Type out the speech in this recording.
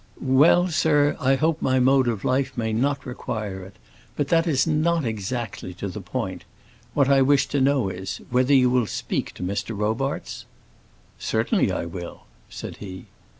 "Well, sir; I hope my mode of life may not require it; but that is not exactly to the point: what I wish to know is, whether you will speak to Mr. Robarts?" "Certainly I will," said he.